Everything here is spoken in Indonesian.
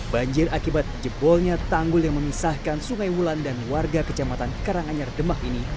banjir akibat jebolnya tanggul yang memisahkan sungai wulan dan warga kecamatan karanganyar demak ini